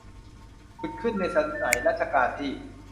ขุดขึ้นในสมัยรัชกาลที่